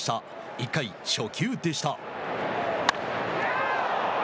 １回、初球でした。